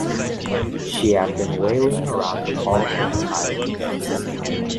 She had been whaling around the Falkland Islands.